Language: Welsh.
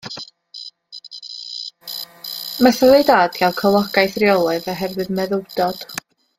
Methodd ei dad gael cyflogaeth reolaidd oherwydd meddwdod.